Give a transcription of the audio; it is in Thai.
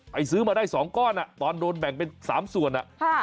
ซื้อมาได้๒ก้อนตอนโดนแบ่งเป็น๓ส่วน